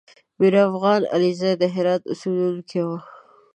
میرافغان علیزی د هرات اوسېدونکی و